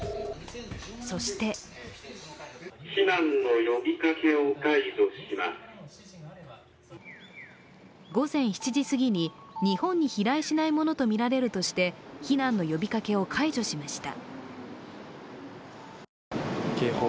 そして午前７時すぎに日本に飛来しないものとみられるとして避難の呼びかけを解除しました。